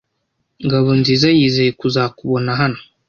Ngabonziza yizeye kuzakubona hano.